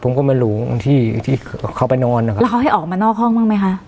ผมก็ไม่รู้ที่ที่เขาไปนอนแล้วเขาให้ออกมานอกห้องบ้างไหมฮะ